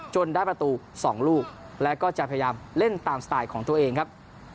ได้ประตู๒ลูกแล้วก็จะพยายามเล่นตามสไตล์ของตัวเองครับ